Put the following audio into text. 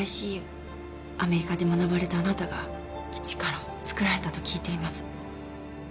アメリカで学ばれたあなたが一から作られたと聞いています。